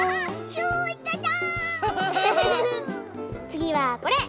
つぎはこれ！